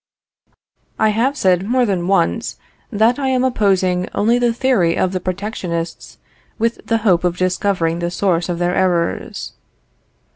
I have said more than once, that I am opposing only the theory of the protectionists, with the hope of discovering the source of their errors.